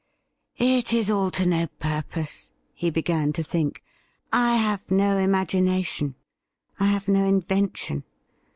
' It is all to no purpose,' he began to think. 'I have no imagination — I have no invention.